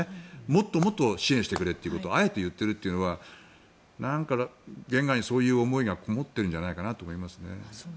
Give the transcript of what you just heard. もっともっと支援してくれということをあえて言っているというのは言外にそういう思いがこもっているんじゃないかなと思いますね。